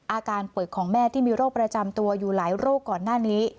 อาการป่วยของแม่ที่มีโรคประจำตัวอยู่หลายโรคก่อนหน้านี้